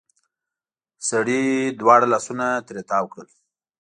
سړې دواړه لاسونه ترې تاو کړل.